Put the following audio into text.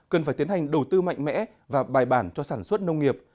cần phải tiến hành đầu tư mạnh mẽ và bài bản cho sản xuất nông nghiệp